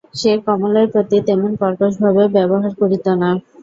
সে কমলের প্রতি তেমন কর্কশভাবে ব্যবহার করিত না।